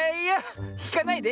ひかないで。